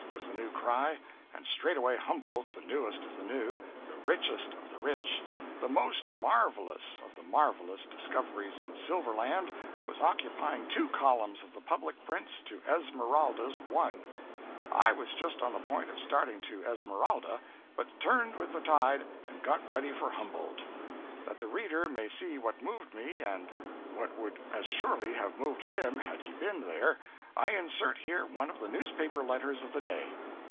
was the new cry, and straightway Humboldt, the newest of the new, the richest of the rich, the most marvellous of the marvellous discoveries in silver land was occupying two columns of the public prints to "Esmeralda's" one. I was just on the point of starting to Esmeralda, but turned with the tide and got ready for Humboldt. That the reader may see what moved me, and what would as surely have moved him had he been there, I insert here one of the newspaper letters of the day.